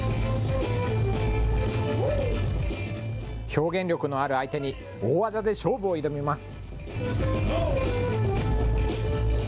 表現力のある相手に大技で勝負を挑みます。